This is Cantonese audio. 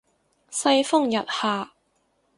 世風日下